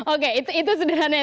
oke itu sederhananya